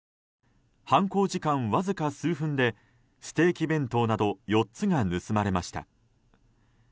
犯行時間わずか数分でステーキ弁当など４つが盗まれました。